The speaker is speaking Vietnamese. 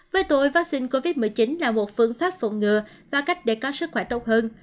với tội vaccine covid một mươi chín là một phương pháp phòng ngừa và cách để có sức khỏe tốt hơn